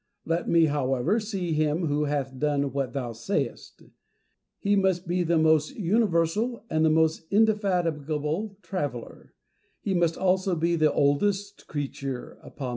Let me however see him who hath done what thou sayest : he must be the most universal and the most indefatigable traveller, he must also be the oldest creature, upon earth.